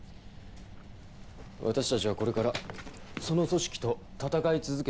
私たちはこれからその組織と闘い続けていく事になります。